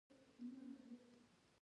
کاناډا د لوبو سامان جوړوي.